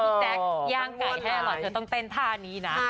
แจ๊คย่างไก่ให้อร่อยเธอต้องเต้นท่านี้นะ